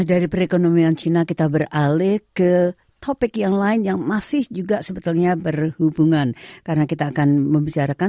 anda bersama sbs bahasa indonesia